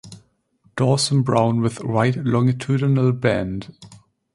Dorsum brown with white longitudinal band.